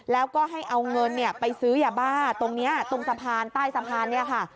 แล้วก็ให้เอาเงินไปซื้อยาบ้าตรงนี้ตรงสะพานใต้สะพานเนี่ยค่ะ